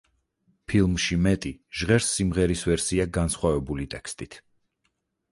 ფილმში „მეტი“ ჟღერს სიმღერის ვერსია განსხვავებული ტექსტით.